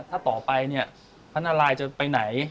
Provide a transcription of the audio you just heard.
ถ้าต่อไปเนี่ยพระนารายจะไปไหน